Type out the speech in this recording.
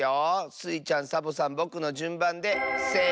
スイちゃんサボさんぼくのじゅんばんでせの。